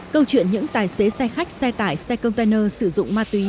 câu chuyện những tài xế xe khách xe tải xe container sử dụng ma túy